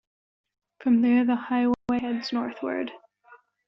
From there the highway heads northward.